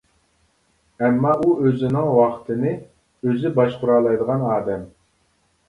ئەمما، ئۇ ئۆزىنىڭ ۋاقتىنى ئۆزى باشقۇرالايدىغان ئادەم.